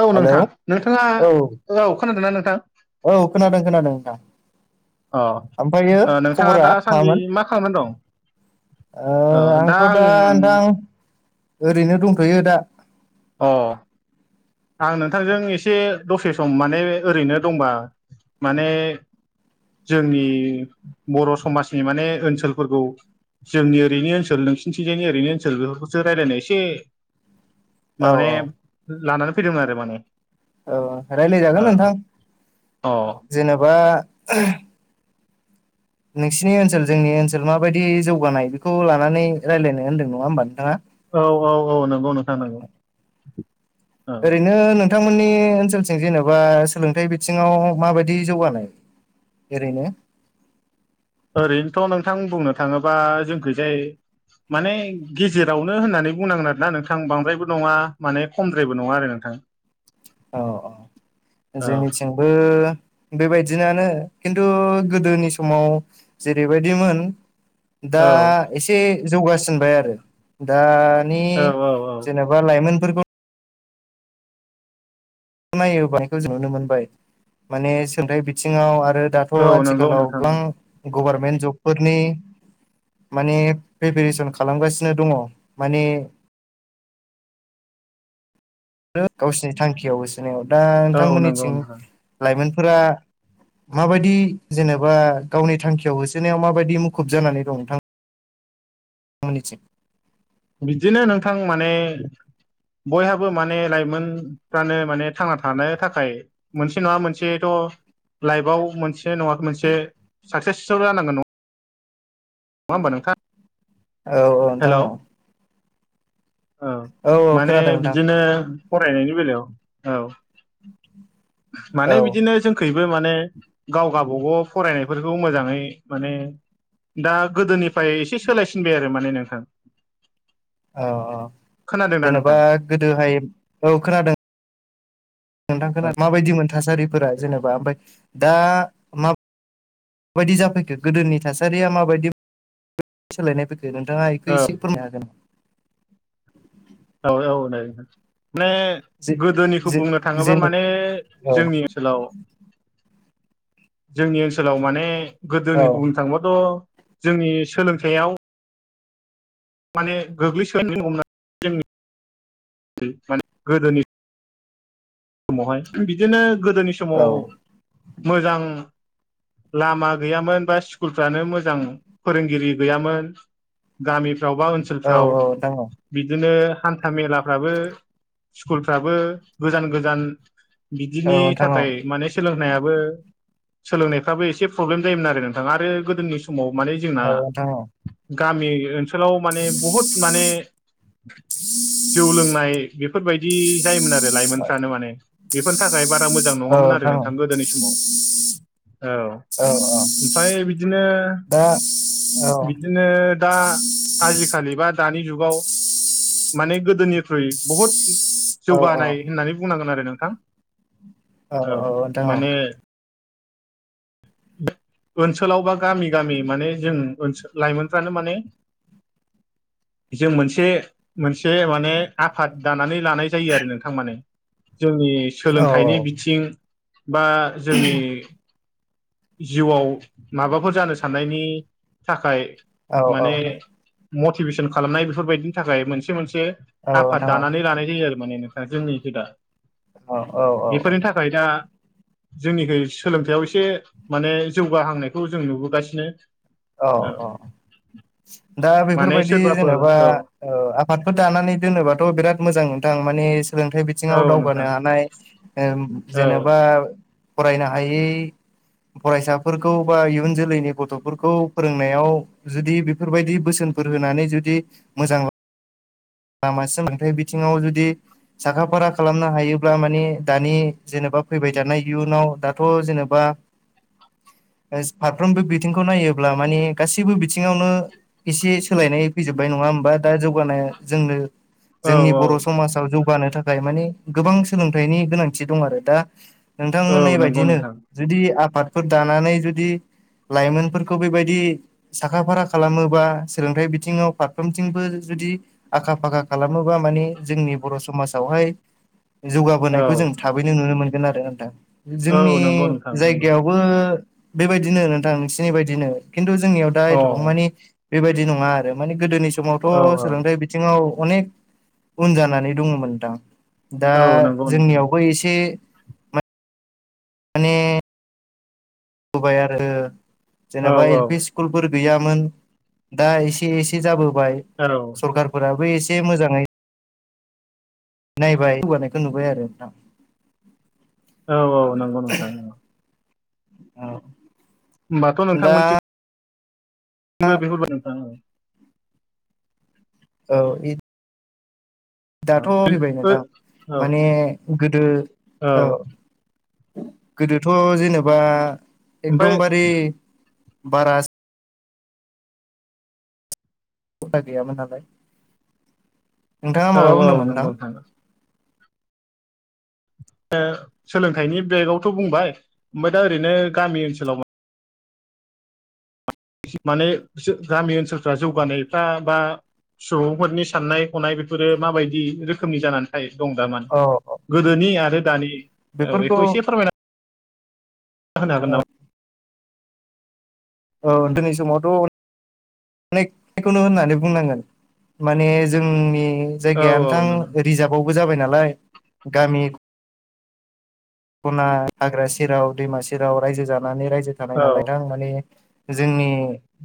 औ हेलौ नोंथां नोंथाङा औ औ खोनादोंना नोंथां? औ खोनादों खोनादों नोंथां। ओमफ्रायो अ नोंथाङा खबरा दासान्दि मामोन मा खालामनानै दं? ओ आंथ' आं दा नोंथां ओरैनो दंथ'यो दा। अ आं नोंथांजों एसे दसे सम माने ओरैनो दंबा माने जोंनि बर' समाजनि माने ओनसोलफोरखौ जोंनि ओरैनि ओनसोल नोंसिनिथिंजायनि ओरैनो ओनसोल बेफोरखौसो रायल्लायनो एसे औ माबे लानानै फैदोंमोन आरो माने औ राय्लायजागोन ओ नोंथां अ जेनेबा नोंसिनि ओनसोल जोंनि ओनसोल माबायदि जौगानाय बेखौ लानानै रायलायनो होनदों नङा होमबा नोंथाङा? औ औ औ नंगौ नोंथां नंगौ। औ ओरैनो नोंथांमोननि ओनसोलथिं जेन'बा सोलोंथाइ बिथिङाव माबायदि जौगानाय? ओरैनो ओरैनोथ' नोंथां बुंनो थाङोबा जोंखैजाय माने गेजेरावनो होननानै बुंनांगोन आरोना नोंथां बांद्रायबो नङा माने खमद्रायबो नङा आरो नोंथां। [inaudible] औ औ औ जोंनिथिं ओ बेबायदियानो खिन्थु गोदोनि समाव जेरैबायदिमोन। दा औ एसे जौगासिनबाय आरो दानि औ औ जेनेबा बा लाइमोनफोरखौ नायोबानायखौ जों नुनो मोनबाय माने सोलोंथाइ बिथिङाव आरो दाथ' औ नंगौ आथिखालाव नोंथां गोबां गभारनमेन्ट जबफोरनि माने प्रिपेरेसन खालामगासिनो दङ माने गावसिनि थांखियाव होसोनायाव दा औ नंगौ नोंथांमोननिथिं नोंथां लाइमोनफोरा माबायदि जेनेबा गावनि थांखियाव होसोनायाव माबायदि मुखुब जानानै दं नोंथां। [unintelligible] बिदिनो नोंथां माने बयहाबो माने लाइमोनफ्रानो माने थांना थानो थाखाय मोनसे नङा मोनसेथ' लाइफआव मोनसे नङा मोनसे साक्सेसथ' जानांगोन नङा नङा होमबा नोंथां? औ औ हेल' नोंथां औ। औ औ माने खोनादों नोंथां बिदिनो फरायनायनि बेलायाव औ औ माने बिदिनो जों खैबो माने गाव गावबागाव फरायनायफोरखौ मोजाङै माने दा गोदोनिफ्राय एसे सोलायसिनबाय आरो माने नोंथां। औ औ खोनादोंना नोंथां जेनेबा गोदोहाय औ खोनादों। नोंथां खोनादों माबायदिमोन थासारिफोरा जेनेबा ओमफ्राय दा मा बायदि जाफैखो गोदोनि थासारिया माबायदि सोलायनाय फैखो नोंथाङा बेखौ औ एसे फोरमायनो हागोन। औ औ दे माने जे गोदोनिखौ जे बुंनो थाङोबा जेन माने औ जोंनि ओनसोलाव जोंनि ओनसोलाव माने औ गोदोनि बुंनो थांबाथ' जोंनि सोलोंथाइयाव माने गोग्लैसोनो दांगौनानै जोंनि माने गोदोनि समावहाय बिदिनो गोदोनि औ समाव मोजां लामा गैयामोन बा स्कुलफ्रानो मोजां फोरोंगिरि गैयामोन। गामिफ्राव बा औ ओनसोलफ्राव नोंथां बिदिनो हान्था मेलाफ्राबो स्कुलफ्राबो गोजान गोजान औ बिदिनि नोंथां थाखाय माने सोलोंनायाबो सोलोंनायफ्राबो एसे प्रब्लेम जायोमोन आरो नोंथां आरो गोदोनि समाव माने जोंना औ गामि ओनसोलाव माने बहुद माने जौ लोंनाय बेफोरबायदि जायोमोन आरो लाइमोन बेफोरनि थाखाय बारा मोजां औ नङामोन आरो नोंथां गोदोनि समाव औ औ औ ओमफ्राय बिदिनो दा औ बिदिनो दा आजिखालि बा दानि जुगाव माने गोदोनिख्रुइ बुहुद औ जौगानाय होननानै बुंनांगोन आरो नोंथां। औ औ नोंथां औ। माने ओनसोलाव बा गामि गामि माने जों ओनसो लाइमोनफ्रानो माने जों मोनसे मोनसे माने आफाद दानानै लानाय जायो आरो नोंथां माने जोंनि औ सोलोंथाइनि बिथिं बा जोंनि जिउआव माबाफोर जानो साननायनि थाखाय औ औ माने मटिभेसन खालामनाय बेफोरबायदिनि थाखाय मोनसे मोनसे औ आफाद नोंथां दानानै लानाय जायो आरो माने जोंनिखौदा औ औ औ बेफोरनि थाखाय दा जोंनिखै सोलोंथायाइयाव एसे माने जौगाहांनायखौ जों नुबोगासिनो। औ औ दा माने बेफोरबायाददि सोरबाफोर जेनेबा औ आफादफोर दानानै दोनोबाथ' बिराद मोजां नों थां माने सोलोंथाइ बि औ बिथिङाव नोंथां दावगानो हानाय ओम औ जेनेबा फरायनो हायै फरायसाफोरखौ बा इयुन जोलैनि गथ'फोर खौ फोरोंनायाव जुदि बेफोरबायदि बोसोनफोर होनानै जुदि मोजां लामा सोलोंथाइ बिथिङाव जुदि साखा फारा खालामनो हायोब्ला माने दानि जेनेबा फैबाय थानाय इयुनाव दाथ' जेनेबा [inaudible] फारफ्रोमबो बिथिंखौ नायोब्ला मानि गासैबो बिथिङावनो एसे सोलायनाय फैजोबबाय नङा होमबा दा जौगानाय जोंनो औ जोंनि औ बर' समाजाव जौगानो थाखाय माने गोबां सोलोंथाइनि गोनांथि दं आरो दा औ नोंथांमोननाय नंगौ बायदिनो नोंथां जुदि आफाद फोर दानानै जुदि लाइमोनफोरखौ बेबायदि साखा फारा खालामोबा सोलोंथाइ बिथिङाव फारफ्रोमथिंबो जुदि आखा फाखा खालामोबा माने जोंनि बर' समाजावहाय औ जौगाबोनायखौ जों थाबैनो नुनो मोनगोन आरो नोंथां औ जोंनि नंगौ नोंथां नंगौ जायगायाव बो बेबायदिनो नोंथां नोंसिनि बायदिनो खिन्थु जोंनियाव दा अ एथबां मानि बेबायदि नङा आरो माने गोदोनि औ समावथ' सोलोंथाइ बि बिथिङाव अनेक उन जानानै दङमोन दां। दा औ नंगौ नोंथां जोंनियावबो एसे माने होबाय आरो औ जेनेबा एल औ पि स्कुलफोर गैयामोन दा एसे एसे जाबोबाय औ सरखारफोराबो एसे मोजाङै नायबाय जौगानायखौ नुबाय आरो नोंथां। औ औ नंगौ नोंथां औ होमबाथ' नोंथां दा मोनथिं बो बेफोरबायदि औ दाथ' औ फैबाय नोंथां औ औ माने गोदो औ गोदोथ' जेनेबा ओमफ्राय एकदमबारे बारा [unintelligible] गैयामोन नालाय नोंथाङा औ माबा औ बुंदोंमोन नंगौ नोंथां? ओ सोलोंथाइनि बेगावथ' बुंबाय ओमफ्राय दा ओरैनो गामि ओनसोलाव माने गामि ओनसोलफ्रा जौगानायफ्रा बा सुबुंफोरनि साननाय हनाय बेफोरो माबायदि रोखोमनि जानानै दं दामानि औ औ गोदोनि आरो दानि औ बेफोरखौ बेखौ एसे फोरमायनानै होनो हागोन नामा? औ जोंनि समावथ' अनेखखौनो होननानै बुंनांगोन माने जोंनि जायगाया हागोन नामा नोंथां रिजार्भआवबो जाबाय नालाय गामि खना हाग्रा सेराव दैमा सेराव रायजो जानानै रायजो थानाय औ नालाय थां माने जोंनि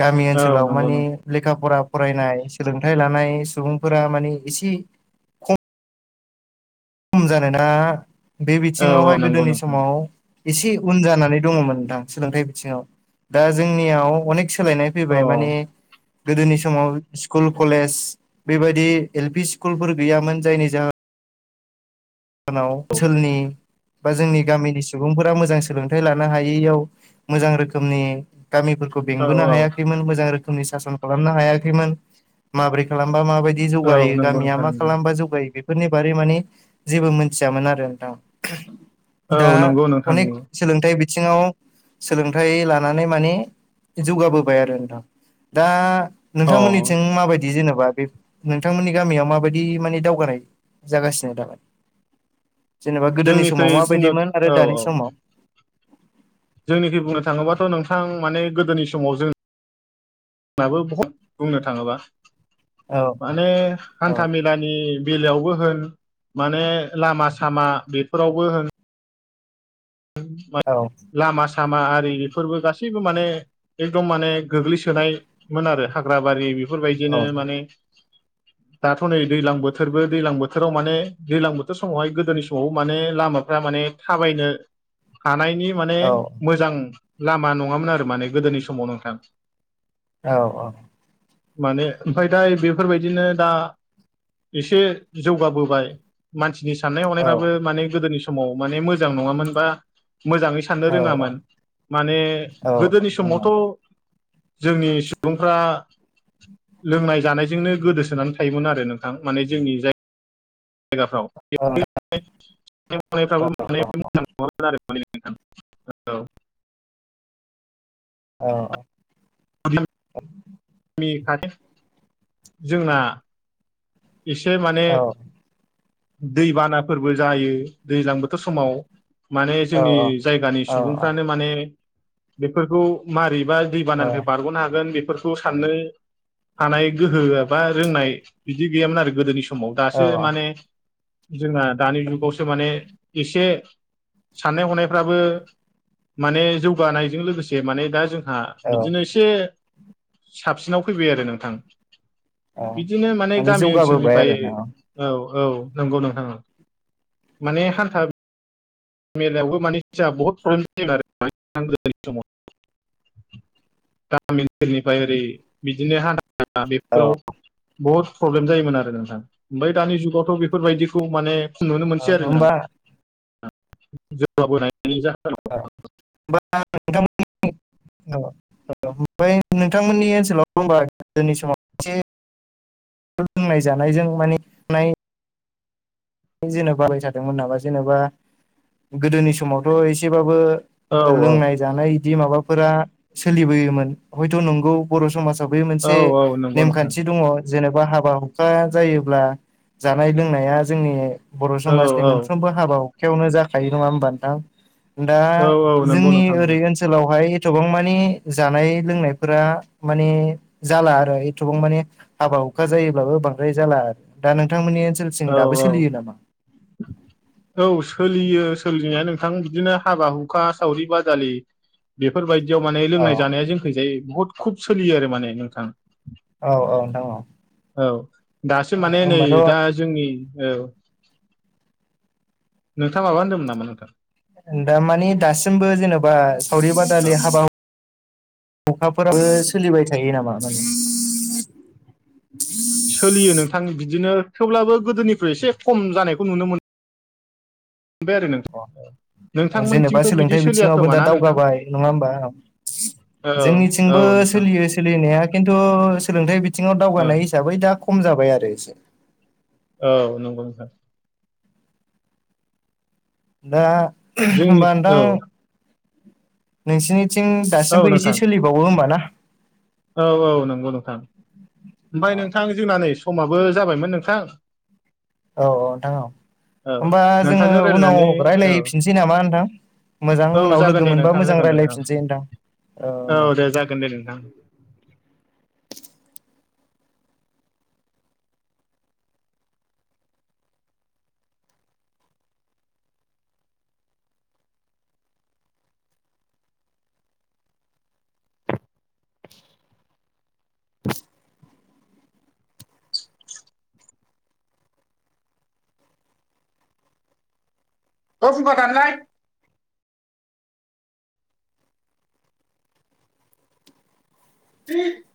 गामि औ ओनसोलाव नंगौ मानि लेखा फरा फरायनाय सोलोंथाइ लानाय सुबुंफोरा माने एसे खम जानाय ना बे औ औ बिथिङावहाय नंगौ गोदोनि नंगौ समाव एसे उन जानानै दङमोन दां सोलोंथाइ बिथिङाव दा जोंनियाव अनेक सोलायनाय औ नंगौ नोंथां फैबाय औ माने गोदोनि समाव स्कुल कलेज बेबायदि एल पि स्कुलफोर गैयामोन जायनि जाहोन ओनसोलनि बा जोंनि गामिनि सुबुंफोरा मोजां सोलोंथाइ लानो हायैयाव मोजां रोखोमनि गामिफोरखौ बेंबोनो औ औ हायाखैमोन मोजां रोखोमनि सासन खालामनो हायाखैमोन माब्रै खालामबा माबायदि जिदि औ जौगायो नंगौ गामिया नोंथां मा नंगौ खालामबा जौगायो बेफोरनि बारै मानि जेबो मोनथियामोन आरो नोंथां दा औ नंगौ नोंथां अनेक नंगौ सोलोंथाइ बिथिङाव सोलोंथाइ लानानै माने जौगाबोबाय आरो नोंथां दा अ नोंथांमोननिथिं माबायदि जेनेबा बे नोंथांमोननि गामियाव माबायदि माने दावगानाय जागासिनो दामानि जेनेबा गोदोनि समाव जोंनिख्रुइ बुंनो माबायदिमोन आरो औ औ दानि समाव जोंनिखै बुंनो थाङोबाथ' नोंथां माने गोदोनि समाव जों [unintelligible] बहुत बुंनो थाङोबा औ माने औ हान्था मेला नि बेलायावबो होन माने लामा सामा बेफोरावबो होन औ लामा सामा आरि बेफोरबो गासैबो माने एकदम माने गोग्लैसोनायमोन आरो हाग्रा बारि औ बेफोरबायदिनो माने दाथ' नै दैज्लां बोथोरबो दैज्लां बोथोराव माने दैजलां बोथोर समावहाय गोदोनि समाव माने लामा माने थाबायनो हानायनि माने औ मोजां लामा नङामोन आरो माने गोदोनि समाव नोंथां औ औ माने ओमफ्राय दा बेफोरबायदिनो दा एसे जौगाबोबाय मानसिनि साननाय औ हनायबाबो माने गोदोनि समाव माने मोजां नङामोन बा मोजाङै साननो औ रोङामोन माने औ गोदोनि समावथ' जोंनि सुबुंफ्रा लोंनाय जानायजोंनो गोदोसोनानै थायोमोन आरो नोंथां माने जोंनि जाय जायगाफ्रावबो मोजां [unintelligible] औ औ [inaudible] नि खाथि जोंना एसे माने दैबानाफोरबो जायो दैज्लां बोथोर समाव माने जोंनि जायगानि सुबुंफ्रानो माने बेफोरखौ मारैबा दै बानानिफ्राय बारग'नो हागोन बेफोरखौ साननो हानाय गोहो एबा रोंनाय बिदि गैयामोन आरो गोदोनि समाव दासो माने जोंना दानि जुगावसो माने एसे साननाय हनायफ्राबो माने जौगानायजों लोगोसे माने दा जोंहा औ बिदिनो एसे साबसिनाव फैबाय आरो नोंथां औ बिदिनो माने जौगाबोबाय ओनसोलनिफ्राय आरो ना औ औ नंगौ नोंथाङा माने हान्था मेलायावबो माने बहु प्रब्लेम जायोम आरो गोनि समाव गामि ओनसोलनिफ्राय ओरै बिदिनो हा औ बेफोराव बहुद प्रब्लेम जायोमोन आरो नोंथां ओमफ्राय दानि जुगावथ' बेफोरबायदिखौ माने नुनो मोनसै आरो होमबा नोंथां जौगाबोनायनि जाहोनाव [inaudible] औ औ ओमफ्राय नोंथांमोननि ओनसोलाव होनबा गोदोनि समाव एसे लोंनाय जानायजों माने नाय जेनेब बालायथादोंमोन नामा जेनेबा गोदोनि समावथ' एसेबाबो औ लोंनाय जानाय बिदि माबाफोरा सोलिबोयोमोन हयथ' नंगौ बर' समाजाव बे औ मोनसे औ नंगौ नोंथां नेमखान्थि दङ जेन'बा हाबा हुखा जायोब्ला जानाय लोंनाया जोंनि बर' औ समाजनि औ मोन साफ्रोमबो हाबा हखायावनो जाखायो नङा होमबा नोंथां दा औ औ नंगौ जोंनि नोंथां ओरै नंगौ ओनसोल ओनसोलावहाय एथबां मानि जानाय लोंनायफोरा माने जाला आरो एथबां माने हाबा हुखा जायोब्लाबो बांद्राय जाला आरो दा नोंथांमोननि ओनसोल जों दाबो औ औ सोलियो नामा [inaudible] औ सोलियो सोलिनाया नोंथां बिदिनो हाबा हुखा सावरि बादालि बेफोरबायदियाव माने औ लोंनाय जानाया जोंखैजायो बुहुद खुब सोलियो आरो माने नोंथां औ औ नोंथां औ औ दासो माने नै होमबाथ' दा जोंनि औ नोंथाङ माबा होनदों नामा नोंथां दामानि दासिमबो जेन'बा सावरि औ बादालि हाबा अखाफोराबो सोलिबाय थायो नामा माने सोलियो नोंथां बिदिनो थेवब्लाबो गोदोनिफ्राय एसे खम जानायखौ नुनो मोनो मोनबाय आरो नोंथां जेनेबा नोंथांमोनथिंथ' बिदि सोलोंथाइ सोलिया बिथिङावबो खोमा दा ना नोंथां दावगाबाय नङा होमबा औ औ जोंनिथिंबो नोंथां सोलियो सोलिनाया खिन्थु सोलोंथाइ बिथिङाव औ दावगानाय हिसाबै दा खम जाबाय आरो एसे औ नंगौ नोंथां दा जोंनि होमबा औ नोंथां नोंसिनिथिं औ दासिमबो एसे नोंथां सोलिबावो होमबाना औ औ नंगौ नोंथां ओमफ्राय औ नोंथां जोंना नै समाबो जाबायमोन नोंथां औ औ नोंथां औ औ होमबा जोङो नोंथांजों रायज्लायनानै उनाव औ रायज्लायफिनसै नामा नोंथां मोजां औ उनाव जागोन लोगो दे मोनबा नोंथां मोजां जागोन दे औ रायज्लायफिनसै नोंथां। औ दे जागोन दे नोंथां। आ [inaudible] [unintelligible] असगथानालाय। [inaudible] [inaudible]